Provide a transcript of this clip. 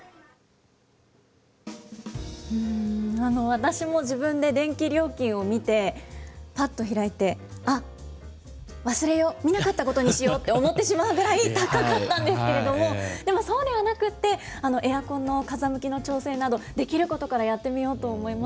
私も自分で電気料金を見て、ぱっと開いて、あっ、忘れよう、見なかったことにしようって思ってしまうぐらい高かったんですけれども、でもそうではなくって、エアコンの風向きの調整など、できることからやってみようと思います。